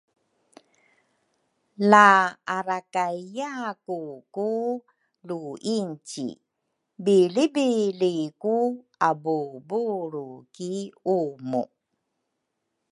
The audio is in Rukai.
La arakayya ku ku luinci bilibili ku abuubulru ki umu